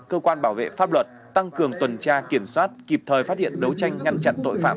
cơ quan bảo vệ pháp luật tăng cường tuần tra kiểm soát kịp thời phát hiện đấu tranh ngăn chặn tội phạm